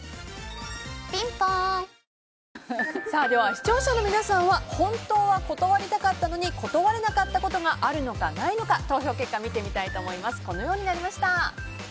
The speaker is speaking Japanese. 視聴者の皆さんは本当は断りたかったのに断れなかったことがあるのかないのか投票結果を見てみたいと思います。